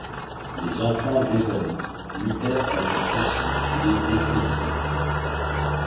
Les enfants d'Esaü luttèrent contre ceux-ci et les détruisirent.